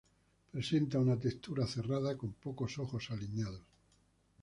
Presenta una textura cerrada con pocos ojos aislados.